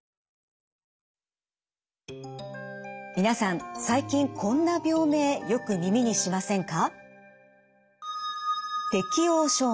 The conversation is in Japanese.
皆さん最近こんな病名よく耳にしませんか？